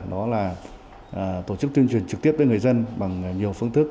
đó là tổ chức tuyên truyền trực tiếp tới người dân bằng nhiều phương thức